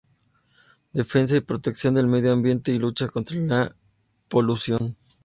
Defensa y protección del medio ambiente y lucha contra la polución.